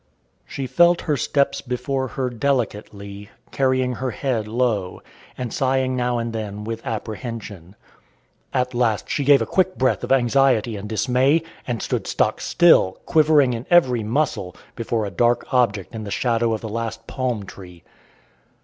She felt her steps before her delicately, carrying her head low, and sighing now and then with apprehension. At last she gave a quick breath of anxiety and dismay, and stood stock still, quivering in every muscle, before a dark object in the shadow of the last palm tree.